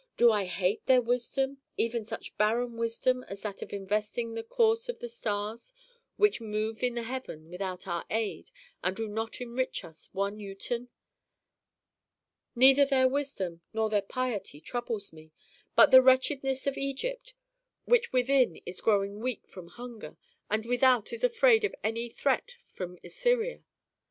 Do I hate their wisdom, even such barren wisdom as that of investigating the course of the stars which move in the heavens without our aid, and do not enrich us one uten? Neither their wisdom nor their piety troubles me, but the wretchedness of Egypt, which within is growing weak from hunger, and without is afraid of any threat from Assyria.